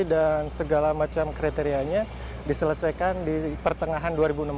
dan segala macam kriterianya diselesaikan di pertengahan dua ribu enam belas